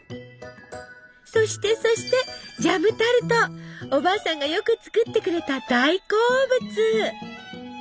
そしてそしておばあさんがよく作ってくれた大好物！